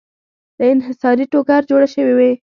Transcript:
له انحصاري ټوکر جوړې شوې وې.